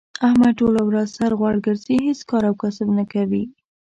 احمد ټوله ورځ سر غوړ ګرځی، هېڅ کار او کسب نه کوي.